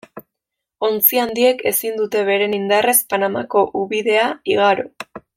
Ontzi handiek ezin dute beren indarrez Panamako ubidea igaro.